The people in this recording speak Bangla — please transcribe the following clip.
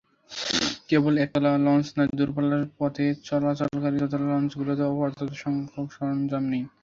কেবল একতলা লঞ্চ নয়, দূরপাল্লার পথে চলাচলকারী দোতলা লঞ্চগুলোতেও পর্যাপ্তসংখ্যক সরঞ্জাম নেই।